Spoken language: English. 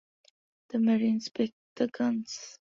The marines spiked the guns.